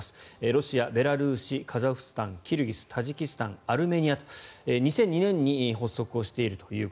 ロシアベラルーシ、カザフスタンキルギス、タジキスタンアルメニアと２００２年に発足しています。